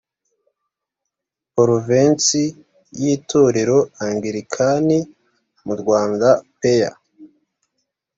provensi y itorero angilikani mu rwanda pear